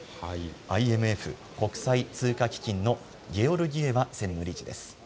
ＩＭＦ・国際通貨基金のゲオルギエワ専務理事です。